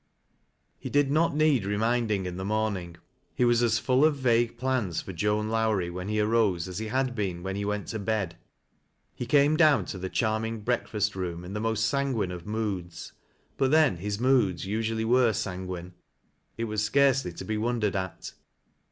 He did not need reminding in the morning. He was aa full of vague plans for Joan Lowrie when he arose as he had been when he went to bed. He came down to the charming breakfast room in the most sanguine of moods. But then his moods usually were sanguine. It was scarcely to be wondered at.